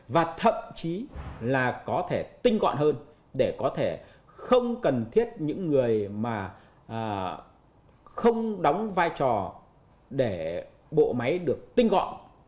và thậm chí là có thể tinh gọn hơn để có thể không cần thiết những người mà không đóng vai trò để bộ máy được tinh gọn